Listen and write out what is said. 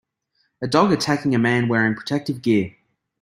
A dog attacking a man wearing protective gear.